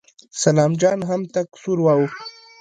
سلام جان هم تک سور واوښت.